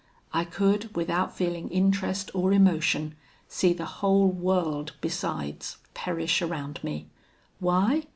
I could, without feeling interest or emotion, see the whole world besides perish around me. Why?